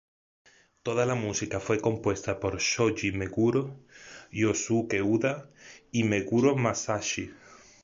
Toda la música fue compuesta por Shoji Meguro, Yosuke Uda y Meguro Masashi.